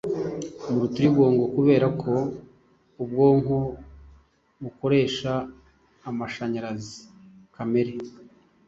murutirigongo kubera ko ubwonko bukoresha amashanyarazi kamere